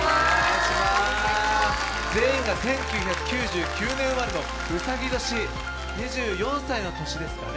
全員が１９９９年生まれのうさぎ年２４歳の年ですかね。